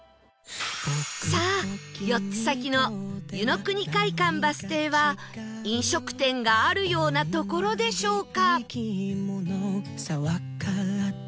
さあ４つ先の湯の国会館バス停は飲食店があるような所でしょうか？